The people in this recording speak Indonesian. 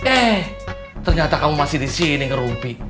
eh ternyata kamu masih di sini ngerubi